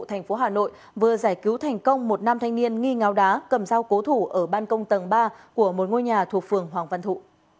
thành phố hà nội vừa giải cứu thành công một nam thanh niên nghi ngáo đá cầm dao cố thủ ở ban công tầng ba của một ngôi nhà thuộc phường hoàng văn thụ